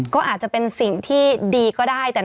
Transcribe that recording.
ก็อาจจะเป็นสิ่งที่ดีก็ได้แต่